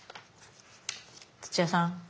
土屋さん！